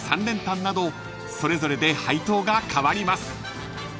３連単などそれぞれで配当が変わります］